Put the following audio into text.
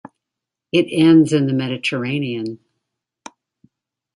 It ends in the Mediterranean.